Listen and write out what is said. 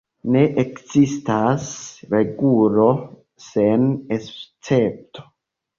Ne ekzistas regulo sen escepto.